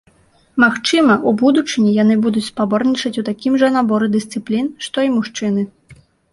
Магчыма, у будучыні яны будуць спаборнічаць у такім жа наборы дысцыплін, што і мужчыны.